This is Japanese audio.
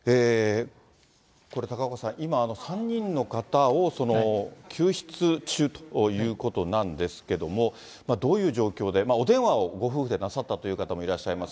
高岡さん、今、３人の方を救出中ということなんですけども、どういう状況で、お電話をご夫婦でなさったという方もいらっしゃいます。